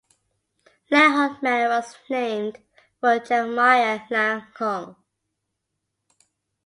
Langhorne Manor was named for Jeremiah Langhorne.